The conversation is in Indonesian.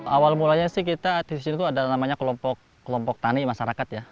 awal mulanya sih kita disitu ada namanya kelompok tani masyarakat ya